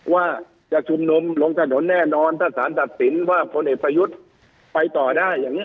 ว่าจะชุมนุมลงถนนแน่นอนถ้าสารตัดสินว่าพลเอกประยุทธ์ไปต่อได้อย่างนี้